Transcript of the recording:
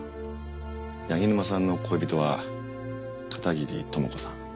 柳沼さんの恋人は片桐朋子さん